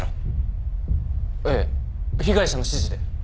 ええ被害者の指示で。